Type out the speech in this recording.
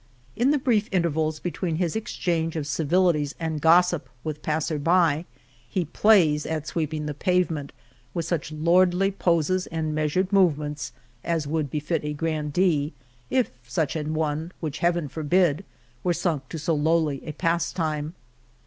In the brief intervals between his exchange of civil ities and gossip with passers by, he plays at sweeping the pavement with such lordly poses and measured movements as would be fit a grandee, if such an one, which Heaven forbid, were sunk to so lowly a pastime.